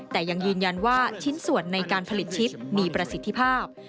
แต่ยังยืนยันว่าชิ้นส่วนในการผลิตชิปมีประสิทธิภาพ